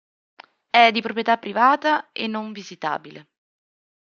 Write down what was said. È di proprietà privata e non visitabile.